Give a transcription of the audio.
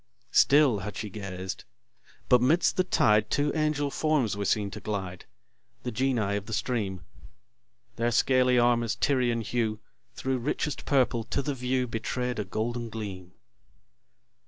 Still had she gazed; but 'midst the tide Two angel forms were seen to glide, The Genii of the stream: Their scaly armour's Tyrian hue Thro' richest purple to the view Betray'd a golden gleam.